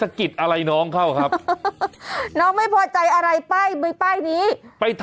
วัยรุ่นที่คุกขนองเป็นอุบัติเหตุในทางที่ผิด